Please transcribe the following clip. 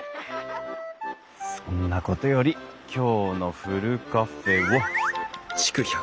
そんなことより今日のふるカフェは？